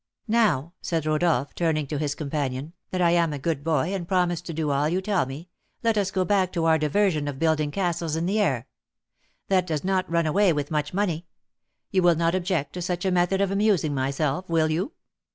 "Now," said Rodolph, turning to his companion, "that I am a good boy, and promised to do all you tell me, let us go back to our diversion of building castles in the air: that does not run away with much money. You will not object to such a method of amusing myself, will you?"